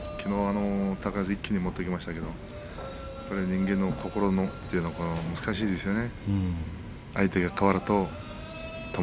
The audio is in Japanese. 高安一気に持っていきましたけど人間の心というのは難しいですよね。